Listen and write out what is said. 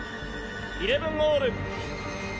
イレブンオール。